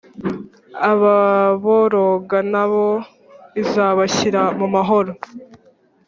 Ababoroga nabo izabashyira mumahoro